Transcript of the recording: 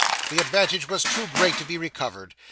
The advantage was too great to be recovered.